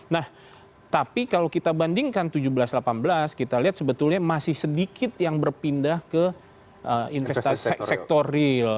nah tapi kalau kita bandingkan tujuh belas delapan belas kita lihat sebetulnya masih sedikit yang berpindah ke investasi sektor real